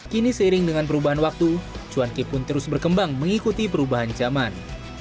kini seiring dengan perubahan waktu cuanki pun terus berkembang mengikuti perubahan zaman